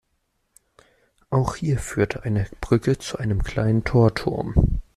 Auch hier führte eine Brücke zu einem kleinen Torturm.